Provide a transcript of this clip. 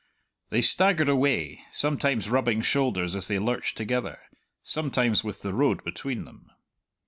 They staggered away, sometimes rubbing shoulders as they lurched together, sometimes with the road between them.